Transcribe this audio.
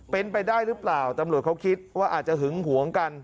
เป็นไปได้หรือเปล่าตำรวจเขาคิดว่าอาจจะหึงหวงกัน